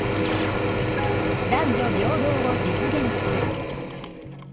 「男女平等を実現する」